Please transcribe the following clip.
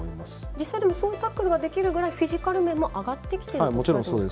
実際にそういうタックルができるくらいフィジカル面も上がってきてるということですか。